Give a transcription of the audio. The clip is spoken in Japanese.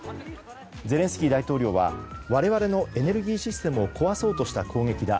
ゼレンスキー大統領は我々のエネルギーシステムを壊そうとした攻撃だ。